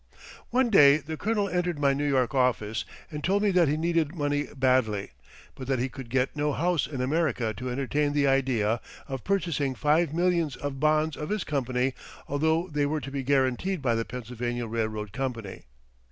One day the Colonel entered my New York office and told me that he needed money badly, but that he could get no house in America to entertain the idea of purchasing five millions of bonds of his company although they were to be guaranteed by the Pennsylvania Railroad Company.